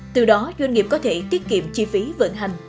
từ đó doanh nghiệp có thể tiết kiệm chi phí vận hành